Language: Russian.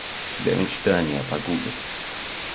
Тебя мечтания погубят.